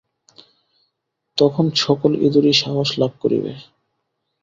তখন সকল ইঁদুরই সাহস লাভ করিবে।